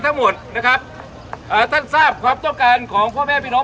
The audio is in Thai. ทั้งหมดนะครับอ่าท่านทราบความต้องการของพ่อแม่พี่น้อง